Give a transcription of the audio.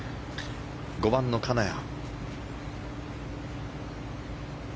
５番の金谷。